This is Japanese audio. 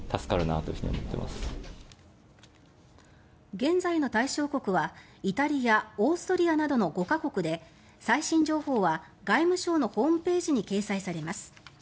現在の対象国はイタリアオーストリアなどの５か国で最新情報は外務省のホームページに掲載されます。